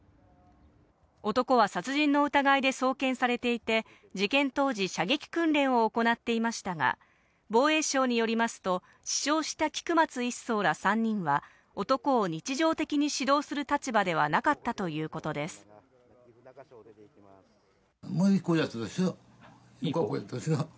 男は殺人の疑いで送検されていて、事件当時、射撃訓練を行っていましたが、防衛省によりますと、死傷した菊松１曹ら３人は、男を日常的に指導する立場ではなめんこいやつですよ、いい子でしたよ。